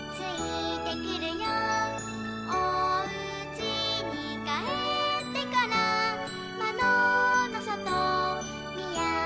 「おうちにかえってからまどのそとみあげてみよう」